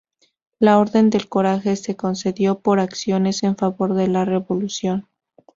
La Orden del Coraje se concedió por acciones en favor de la Revolución.